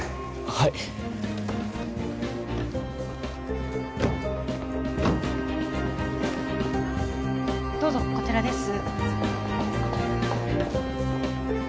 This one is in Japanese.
はいどうぞこちらです